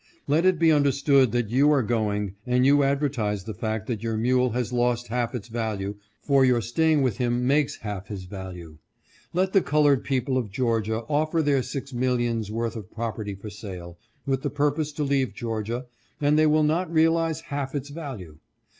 Let it be understood that yovi are going, and you advertise the fact that your mule has lost half its value, for your staying with him makes half his value. Let the colored people of Georgia offer their six millions' worth of property for sale, with the purpose to leave Georgia, and they will not realize half its value.